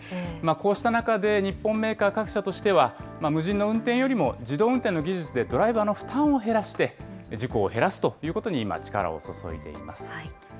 こうした中で、日本メーカー各社としては、無人の運転よりも自動運転の技術でドライバーの負担を減らして、事故を減らすということに今、力を注いでいます。